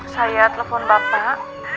saya telepon bapak